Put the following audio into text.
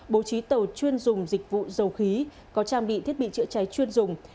bố trí tàu chuyên dùng dịch vụ dầu khí có trang bị thiết bị chữa cháy chuyên dùng